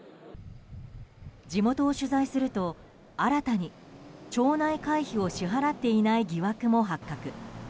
地元を取材すると、新たに町内会費を支払っていない疑惑も発覚。